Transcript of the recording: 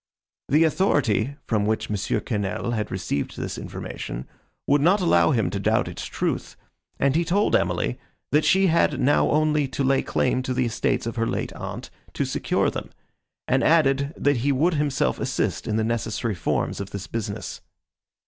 The authority, from which M. Quesnel had received this information, would not allow him to doubt its truth, and he told Emily, that she had now only to lay claim to the estates of her late aunt, to secure them, and added, that he would himself assist in the necessary forms of this business.